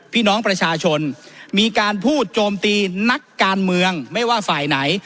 พี่น้องประชาชนมีการพูดโจมตีนักการเมืองไม่ว่าฝ่ายไหน